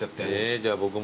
じゃあ僕も。